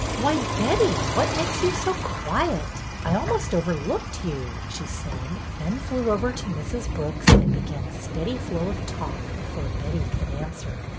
"Why, Betty, what makes you so quiet? I almost overlooked you," she said, then flew over IN THE TEA ROOM 233 to Mrs. Brooks and began a steady flow of talk before Betty could answer.